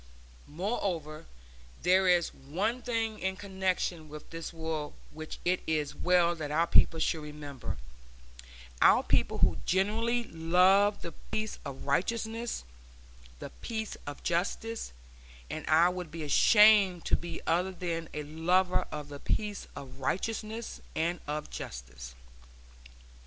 Moreover, there is one thing in connection with this war which it is well that our people should remember, our people who genuinely love the peace of righteousness, the peace of justice and I would be ashamed to be other than a lover of the peace of righteousness and of justice.